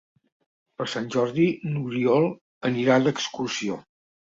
Per Sant Jordi n'Oriol anirà d'excursió.